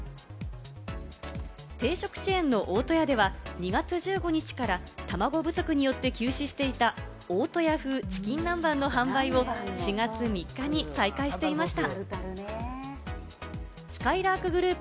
定食チェーンの大戸屋では、２月１５日からたまご不足によって休止していた、大戸屋風チキン南蛮の販売を４月３日に再開していました。